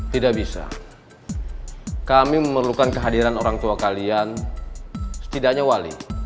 tidak bisa kami memerlukan kehadiran orang tua kalian setidaknya wali